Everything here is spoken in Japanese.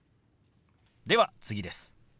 では次です。